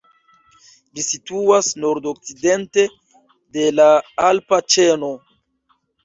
Ĝi situas nord-okcidente de la alpa ĉeno.